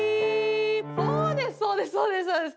そうですそうですそうですそうです。